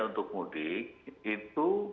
untuk mudik itu